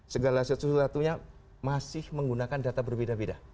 segala sesuatunya masih menggunakan data berbeda beda